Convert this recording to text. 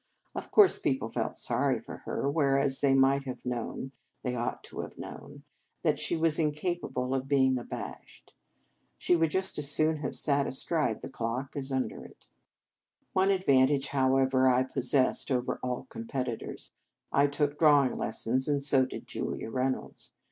Of course people felt sorry for her, whereas they might have known they ought to have known that she was incapable of being abashed. She would just as soon have sat astride the clock as under it. The Game of Love One advantage, however, I pos sessed over all competitors. I took drawing lessons, and so did Julia Reynolds.